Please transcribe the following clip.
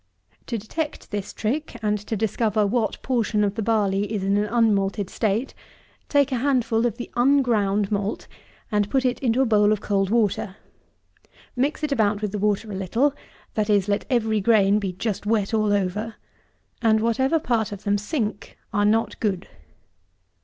To detect this trick, and to discover what portion of the barley is in an unmalted state, take a handful of the unground malt, and put it into a bowl of cold water. Mix it about with the water a little; that is, let every grain be just wet all over; and whatever part of them sink are not good.